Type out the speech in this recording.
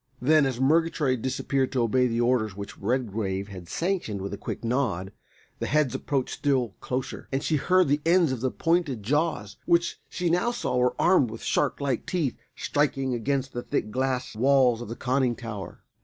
_] Then, as Murgatroyd disappeared to obey the orders which Redgrave had sanctioned with a quick nod, the heads approached still closer, and she heard the ends of the pointed jaws, which she now saw were armed with shark like teeth, striking against the thick glass walls of the conning tower.